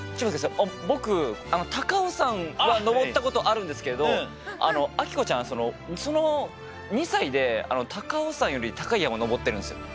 ぼく高尾山はのぼったことあるんですけどあきこちゃんその２さいで高尾山よりたかいやまのぼってるんですよ。